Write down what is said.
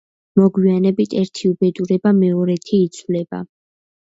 მოგვიანებით ერთი უბედურება მეორეთი იცვლება.